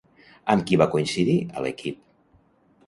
Amb qui va coincidir a l'equip?